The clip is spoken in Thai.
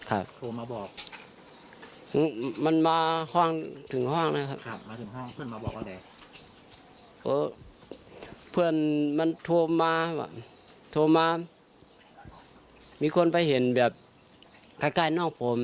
ไอ้อูนะมันมาถึงห้องพี่คนไปเห็นแบบใกล้นอกผม